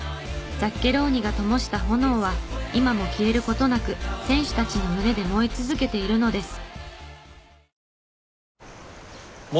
ザッケローニがともした炎は今も消える事なく選手たちの胸で燃え続けているのです。